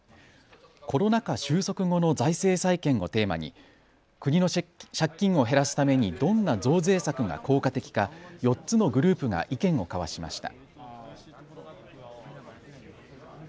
コロナ禍収束後の財政再建をテーマに国の借金を減らすためにどんな増税策が効果的か４つのグループが意見を交わしました。